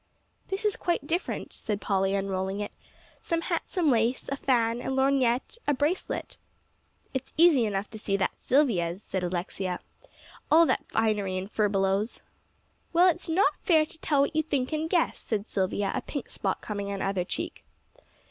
"This is quite different," said Polly, unrolling it; "some handsome lace, a fan, a lorgnette, a bracelet." "It's easy enough to see that's Silvia's," said Alexia "all that finery and furbelows." "Well, it's not fair to tell what you think and guess," said Silvia, a pink spot coming on either check.